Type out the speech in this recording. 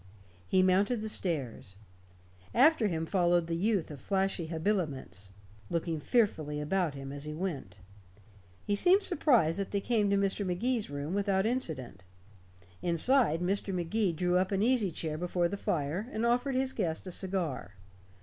He mounted the stairs. After him followed the youth of flashy habiliments, looking fearfully about him as he went. He seemed surprised that they came to Magee's room without incident. Inside, Mr. Magee drew up an easy chair before the fire, and offered his guest a cigar.